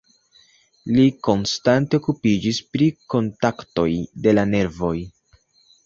Li konstante okupiĝis pri kontaktoj de la nervoj.